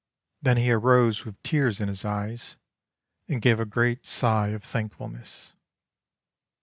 Then he arose with tears in his eyes and gave a great sigh of thankfulness.